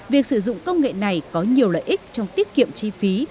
việc sử dụng công nghệ này có nhiều lợi ích trong tiết kiệm chi phí